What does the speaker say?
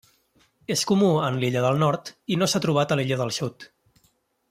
És comú en l'Illa del Nord, i no s'ha trobat a l'Illa del Sud.